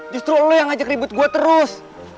justru lo yang ngajak ribut gue terus